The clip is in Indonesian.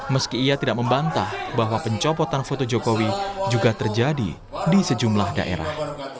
meski ia tidak membantah bahwa pencopotan foto jokowi juga terjadi di sejumlah daerah